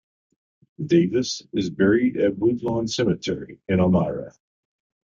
Davis is buried at Woodlawn Cemetery in Elmira.